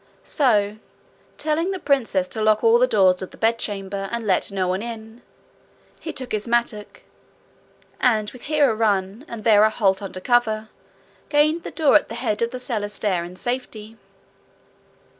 So, telling the princess to lock all the doors of the bedchamber, and let no one in, he took his mattock, and with here a run, and there a halt under cover, gained the door at the head of the cellar stair in safety.